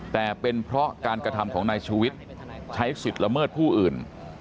แต่เป็นเพราะการกระทำของนายชูวิทย์ใช้สิทธิ์ละเมิดผู้อื่น